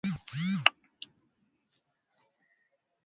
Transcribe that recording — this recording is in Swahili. vifungu vya katiba vimetumiwa na baraza la usalama la umoja wa mataifa